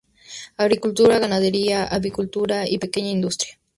Agricultura, ganadería, avicultura y pequeña industria.